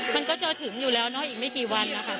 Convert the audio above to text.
มันก็จะถึงอยู่แล้วเนอะอีกไม่กี่วันนะคะ